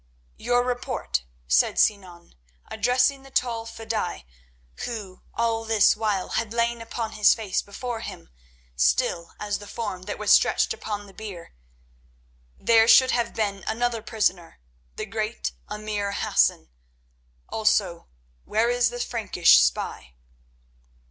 "Your report," said Sinan, addressing the tall fedaï who all this while had lain upon his face before him, still as the form that was stretched upon the bier. "There should have been another prisoner, the great emir Hassan. Also, where is the Frankish spy?"